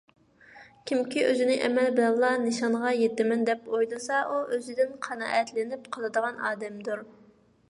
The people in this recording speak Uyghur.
كىمكى ئۆزىنى ئەمەل بىلەنلا نىشانغا يېتىمەن، دەپ ئويلىسا ئۇ ئۆزىدىن قانائەتلىنىپ قالىدىغان ئادەمدۇر.